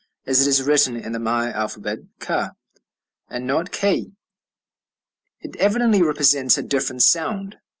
As it is written in the Maya alphabet ca, and not k, it evidently represents a different sound.